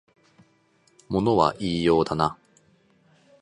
物は言いようだな